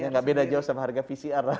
ya nggak beda jauh sama harga pcr lah